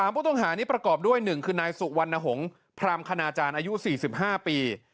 ผู้ต้องหานี้ประกอบด้วย๑คือนายสุวรรณหงษ์พรามคณาจารย์อายุ๔๕ปี